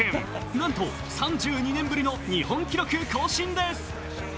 なんと３２年ぶりの日本記録更新です。